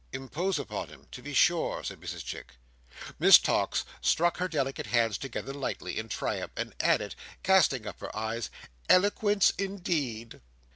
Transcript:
"Impose upon him, to be sure," said Mrs Chick. Miss Tox struck her delicate hands together lightly, in triumph; and added, casting up her eyes, "eloquence indeed!"